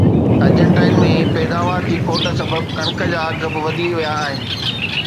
ارجنٽائن ۾ پيداوار جي کوٽ سبب ڪڻڪ جا اگهه به وڌي ويا آهن